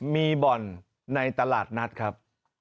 มีบ่อนในตลาดนัดครับ